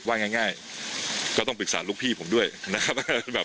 ว่าง่ายก็ต้องปรึกษาลูกพี่ผมด้วยนะครับ